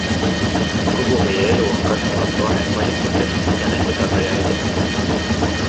Kogu meie elu on katkematu ahel valikutest ja nende tagajärgedest.